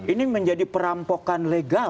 ini menjadi perampokan legal